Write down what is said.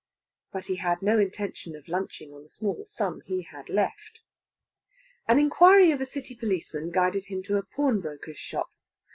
But he had no intention of lunching on the small sum he had left. An inquiry of a City policeman guided him to a pawnbroker's shop.